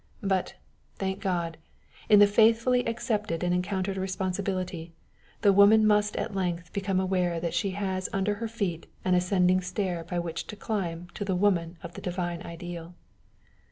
But, thank God, in the faithfully accepted and encountered responsibility, the woman must at length become aware that she has under her feet an ascending stair by which to climb to the woman of the divine ideal.